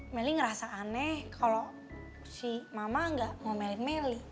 meli ngerasa aneh kalau si mama gak omelin meli